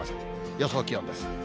予想気温です。